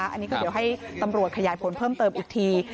อันนี้ก็เดี๋ยวให้ตำรวจขยายผลเพิ่มเติมอีกที